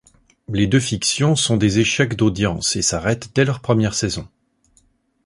Les deux fictions sont des échecs d'audiences et s'arrêtent dès leur première saison.